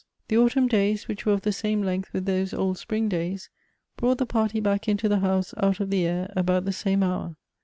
The autumn days, which were of the same length with those old spring days, brought the j)arty back into tiie house out of the air about the same hour.